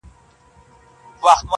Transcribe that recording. چي په پاڼو د تاریخ کي لوستلې٫